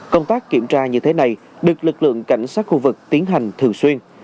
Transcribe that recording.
công tác kiểm tra như thế này được lực lượng cảnh sát khu vực tiến hành thường xuyên